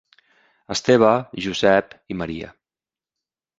Esteve, Josep i Maria.